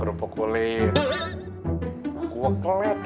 yusuf belum bisa balik